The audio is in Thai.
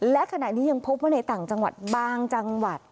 และขณะนี้ยังพบว่าในต่างจังหวัดบางจังหวัด